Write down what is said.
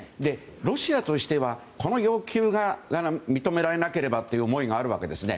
ロシアとしてはこの要求が認められなければという思いがあるわけですね。